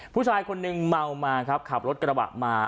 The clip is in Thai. ผู้ชายคนหนึ่งเมามาครับขับรถกระบะมา